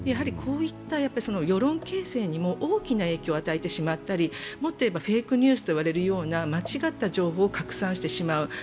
こういった世論形成にも大きな影響を与えてしまったり、もっといえばフェイクニュースといわれるような間違った情報を拡散してしまう。